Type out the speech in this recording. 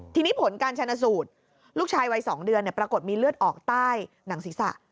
ทีนี้ผลการชนะสูตรลูกชายวัย๒เดือนปรากฏมีเลือดออกใต้หนังศีรษะ